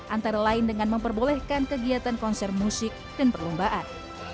antara lain dengan memperbolehkan kegiatan konser musik dan perlombaan